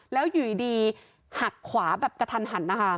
แล้วอยู่ดีหักขวาแบบกระถัน